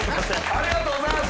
ありがとうございます。